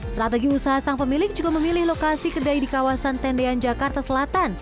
strategi usaha sang pemilik juga memilih lokasi kedai di kawasan tendean jakarta selatan